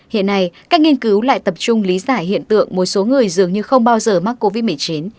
hiện nay các nghiên cứu lại tập trung lý giải hiện tượng một số người dường như không bao giờ mắc covid một mươi chín